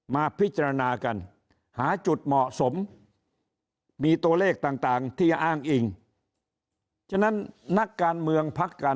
มาพิจารณากัน